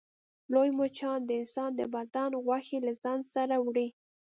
لوی مچان د انسان د بدن غوښې له ځان سره وړي